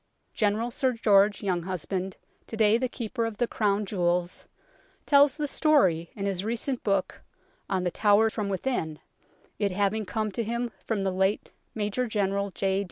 General Sir George Younghusband, to day the Keeper of the Crown Jewels, tells the story in his recent book on The Tower from Within, it having come to him from the late Major General J.